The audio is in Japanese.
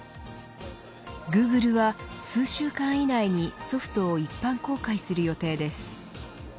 グーグルは数週間以内にソフトを一般公開する予定です。